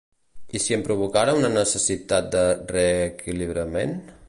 I si em provocara una necessitat de reequilibrament?